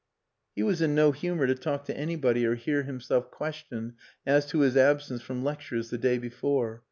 He was in no humour to talk to anybody or hear himself questioned as to his absence from lectures the day before.